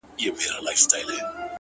د خدای نور ته په سجده خريلی مخ دی’